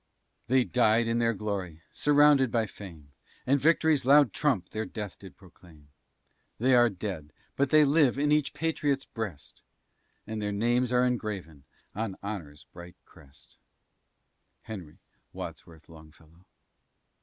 They died in their glory, surrounded by fame, And Victory's loud trump their death did proclaim; They are dead; but they live in each Patriot's breast, And their names are engraven on honor's bright crest. HENRY WADSWORTH LONGFELLOW.